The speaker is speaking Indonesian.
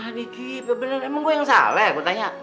adik ibu emang gue yang salah ya gue tanya